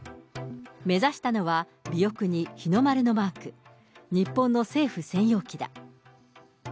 目指したのは、尾翼に日の丸のマーク、日本の政府専用機だ。